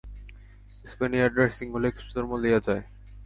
স্পেনিয়ার্ডরা সিংহলে খ্রীষ্টধর্ম লইয়া যায়।